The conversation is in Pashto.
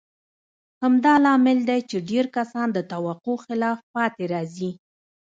همدا لامل دی چې ډېر کسان د توقع خلاف پاتې راځي.